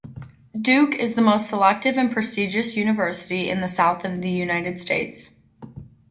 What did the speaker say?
Duke is the most selective and prestigious university in the south of the United States.